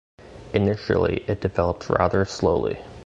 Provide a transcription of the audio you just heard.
Initially, it developed rather slowly.